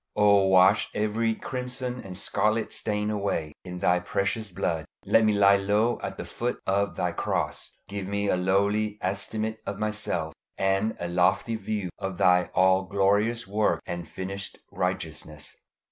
O wash every crimson and scarlet stain away in Thy precious blood. Let me lie low at the foot of Thy cross. Give me a lowly estimate of myself, and a lofty view of Thy all glorious work and finished righteousness.